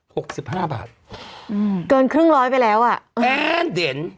หกสิบห้าบาทอืมเกินครึ่งร้อยไปแล้วอ่ะแอ้นเด่น